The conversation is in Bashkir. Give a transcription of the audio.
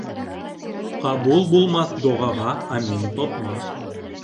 Ҡабул булмаҫ доғаға амин тотма.